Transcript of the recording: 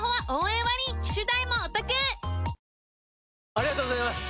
ありがとうございます！